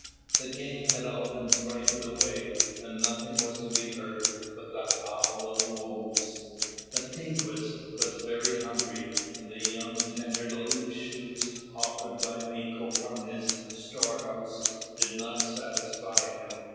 The game had all been frightened away, and nothing was to be heard but the howl of wolves. Mātigwess was very hungry, and the young tender leaf shoots, offered by Mīko from his storehouse, did not satisfy him.